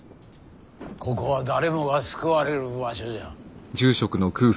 ここは誰もが救われる場所じゃ。